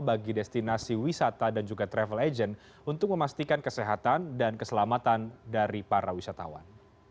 bagi destinasi wisata dan juga travel agent untuk memastikan kesehatan dan keselamatan dari para wisatawan